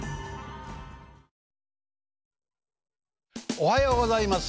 おはようございます。